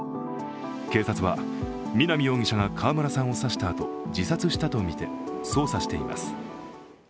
警察は、南容疑者が川村さんを刺したあと自殺したとみて捜査しています。